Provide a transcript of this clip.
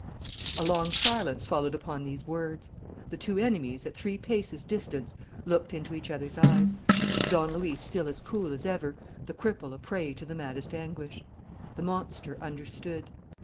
A long silence followed upon these words. The two enemies, at three paces distance, looked into each other's eyes: Don Luis still as cool as ever, the cripple a prey to the maddest anguish. The monster understood.